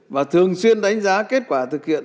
và thường xuyên đánh giá kết quả thực hiện